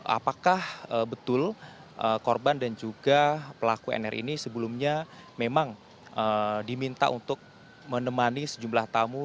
apakah betul korban dan juga pelaku nr ini sebelumnya memang diminta untuk menemani sejumlah tamu